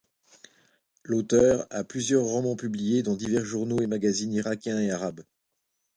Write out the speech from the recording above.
L’auteur a plusieurs romans publiés dans divers journaux et magazines irakiens et arabes.